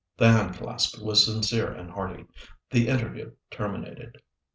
The hand clasp was sincere and hearty; the interview terminated.